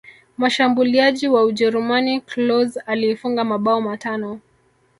mshambuliaji wa ujerumani klose aliifunga mabao matano